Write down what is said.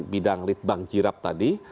bidang litbang jirab tadi